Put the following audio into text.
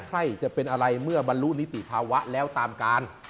ใครจะเป็นอะไรเมื่อบรรลุนิติภาวะแล้วตามการ